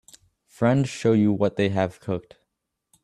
Friend show you what they have cooked